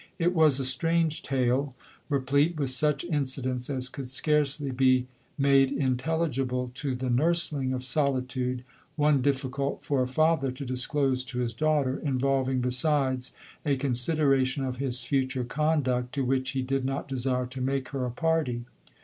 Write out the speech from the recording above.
It was a strange tale; replete with such incidents as could scarcely be made intelligible to the nursling of solitude — one difficult for a father to disclose to his daughter ; involving besides a consideration of his future conduct, to which he did not desire to make her a party.